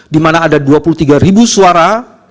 dimana ada dua puluh tiga suara